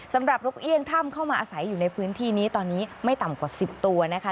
นกเอี่ยงถ้ำเข้ามาอาศัยอยู่ในพื้นที่นี้ตอนนี้ไม่ต่ำกว่า๑๐ตัวนะคะ